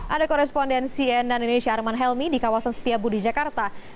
ada korespondensi nnnh arman helmi di kawasan setiabu di jakarta